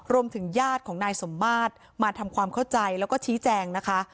รวมถึงญาติของนายสมบาทมาทำความเข้าใจและชี้แจงนะคะ